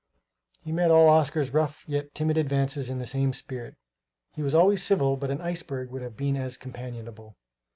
He met all Oscar's rough yet timid advances in the same spirit. He was always civil, but an iceberg would have been as companionable.